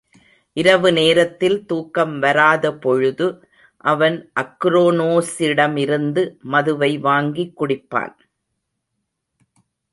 இரவு நேரத்தில் தூக்கம் வராத பொழுது, அவன் அக்ரோனோசிடமிருந்து மதுவை வாங்கிக்குடிப்பான்.